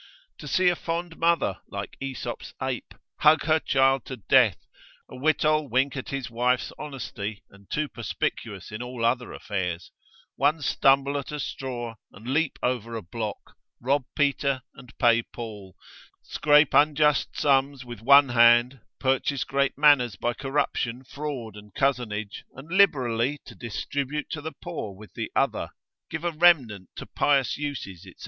To see a fond mother, like Aesop's ape, hug her child to death, a wittol wink at his wife's honesty, and too perspicuous in all other affairs; one stumble at a straw, and leap over a block; rob Peter, and pay Paul; scrape unjust sums with one hand, purchase great manors by corruption, fraud and cozenage, and liberally to distribute to the poor with the other, give a remnant to pious uses, &c.